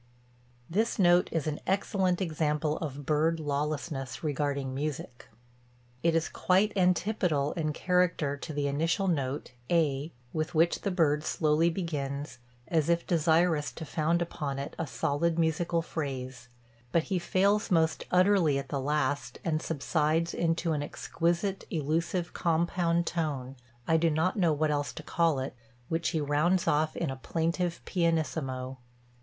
This note is an excellent example of bird lawlessness regarding music. It is quite antipodal in character to the initial note (A) with which the bird slowly begins, as if desirous to found upon it a solid musical phrase; but he fails most utterly at the last and subsides into an exquisite, elusive, compound tone I do not know what else to call it which he rounds off in a plaintive pianissimo.